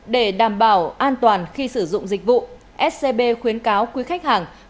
để đảm bảo an toàn khi sử dụng dịch vụ scb khuyến cáo quý khách hàng